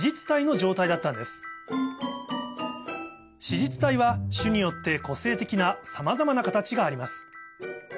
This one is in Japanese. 実体は種によって個性的なさまざまな形があります